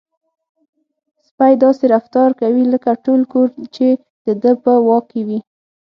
سپی داسې رفتار کوي لکه ټول کور چې د ده په واک کې وي.